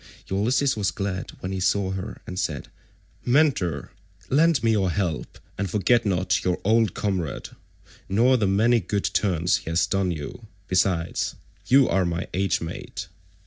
Ulysses was glad when he saw her and said, "Mentor, lend me your help, and forget not your old comrade, nor the many good turns he has done you. Besides, you are my age mate."